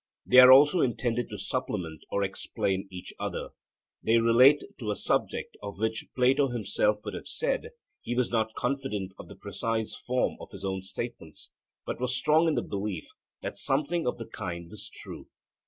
They are also intended to supplement or explain each other. They relate to a subject of which Plato himself would have said that 'he was not confident of the precise form of his own statements, but was strong in the belief that something of the kind was true.'